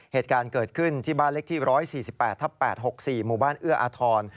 เหตุการณ์เกิดขึ้นที่บ้านเล็กที่๑๔๘ทับ๘๖๔หมู่บ้านเอื้ออาทร